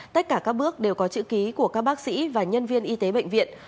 tất cả các bước đều có chữ ký của các bác sĩ và nhân viên y tế bệnh viện